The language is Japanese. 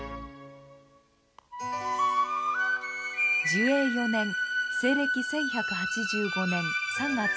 寿永４年西暦１１８５年３月２４日。